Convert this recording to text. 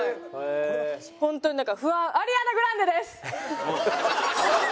ホントになんか不安アリアナ・グランデです！